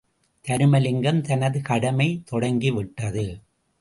தருமலிங்கம் தனது கடமை தொடங்கிவிட்டது.